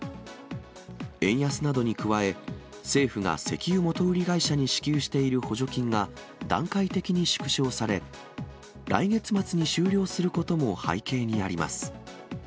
円安などに加え、政府が石油元売り会社に支給している補助金が、段階的に縮小され、来月末に終了することも背景にあります。